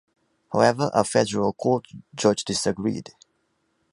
However, a federal court judge disagreed.